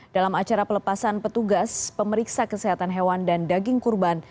dalam acara pelepasan petugas pemeriksa kesehatan hewan dan daging kurban